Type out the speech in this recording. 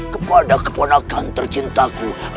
kepada keponakan tercintaku